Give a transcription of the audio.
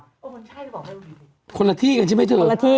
อ้อมันใช่หรือเปล่าไม่รู้ดี